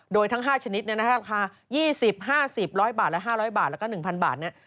โดยทั้ง๕ชนิดเนี่ยนะครับราคา๒๐๕๐๑๐๐บาทและ๕๐๐บาทแล้วก็๑๐๐บาทเนี่ย